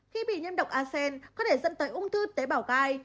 khi bị nhiễm độc a sen có thể dẫn tới ung tư tế bảo gai